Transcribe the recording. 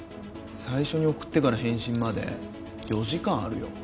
最初に送ってから返信まで４時間あるよ。